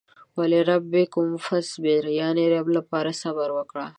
ولربک فاصبر يانې رب لپاره صبر وکړه.